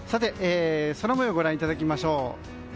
空模様ご覧いただきましょう。